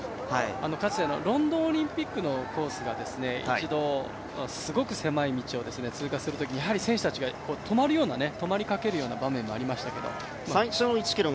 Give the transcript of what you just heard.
かつてロンドンオリンピックのコースが一度、すごく狭い道を通過するときに、やはり選手たちが止まりかけるような場面がありましたけれども。